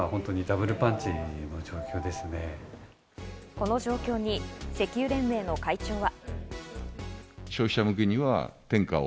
この状況に石油連盟の会長は。